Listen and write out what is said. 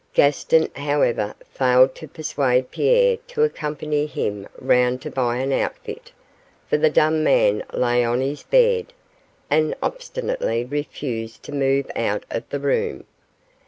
Gaston, however, failed to persuade Pierre to accompany him round to buy an outfit. For the dumb man lay on his bed, and obstinately refused to move out of the room.